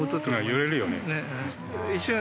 揺れるよね。